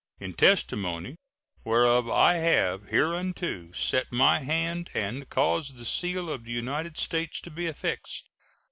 In testimony whereof I have hereunto set my hand and caused the seal of the United States to be affixed.